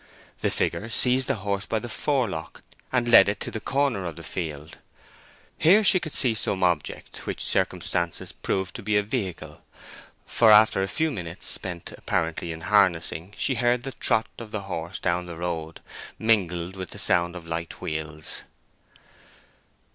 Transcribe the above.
The figure seized the horse by the forelock, and led it to the corner of the field. Here she could see some object which circumstances proved to be a vehicle, for after a few minutes spent apparently in harnessing, she heard the trot of the horse down the road, mingled with the sound of light wheels.